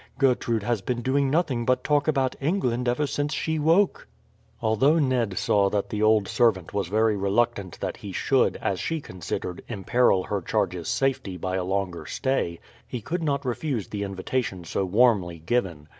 Gertrude has been doing nothing but talk about England ever since she woke." Although Ned saw that the old servant was very reluctant that he should, as she considered, imperil her charges' safety by a longer stay, he could not refuse the invitation so warmly given.